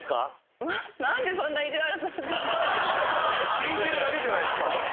聞いてるだけじゃないですか。